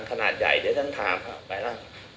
ขนาดใหญ่เดี๋ยวฉันถามไปแล้ว